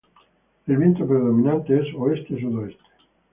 El viento predominante es oeste sudoeste.